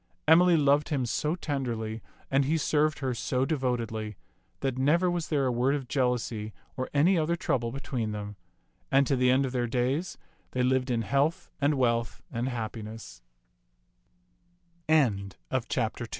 Emily loved him so tenderly, and he served her so devotedly, that never was there a word of jealousy or any other trouble between them; and to the end of their days they lived in health and w